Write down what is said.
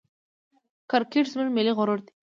کرکټ زموږ ملي غرور دئ.